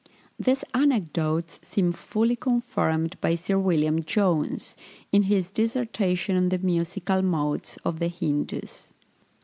These anecdotes seem fully confirmed by Sir William Jones, in his dissertation on the musical modes of the Hindus.